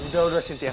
ya udah sitiah